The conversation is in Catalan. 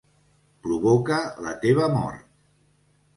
Provoca la teva mort!